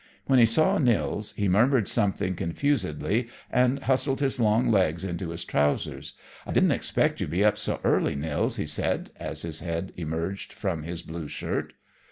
When he saw Nils, he murmured something confusedly and hustled his long legs into his trousers. "I didn't expect you'd be up so early, Nils," he said, as his head emerged from his blue shirt.